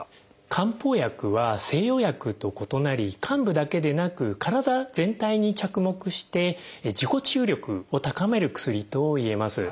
漢方薬は西洋薬と異なり患部だけでなく体全体に着目して自己治癒力を高める薬といえます。